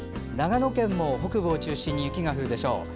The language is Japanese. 長野県も北部を中心に雪が降るでしょう。